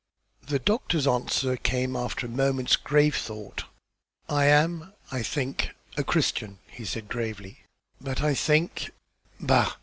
The doctor's answer came after a moment's grave thought. "I am, I think, a Christian," he said, gravely, "but I think bah!